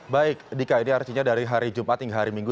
baik dika ini artinya dari hari jumat hingga hari minggu